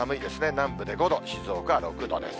南部で５度、静岡は６度です。